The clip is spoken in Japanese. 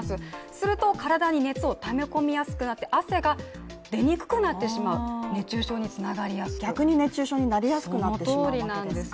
すると体に熱をためこみやすくなって汗が出やすくなってしまう、熱中症につながりやすくなってしまうんです。